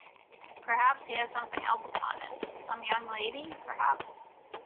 Perhaps he has something else upon it — some young lady, perhaps?